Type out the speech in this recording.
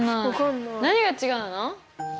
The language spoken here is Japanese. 何が違うの？